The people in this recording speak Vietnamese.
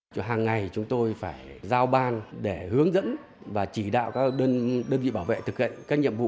cho hàng ngày chúng tôi phải giao ban để hướng dẫn và chỉ đạo các đơn vị bảo vệ thực hiện các nhiệm vụ